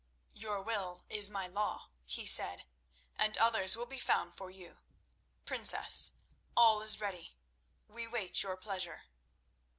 "Your will is my law," he said, "and others will be found for you. Princess, all is ready; we wait your pleasure."